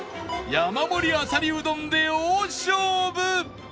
山盛りあさりうどんで大勝負！